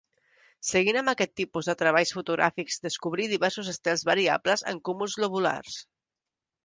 Seguint amb aquest tipus de treballs fotogràfics descobrí diversos estels variables en cúmuls globulars.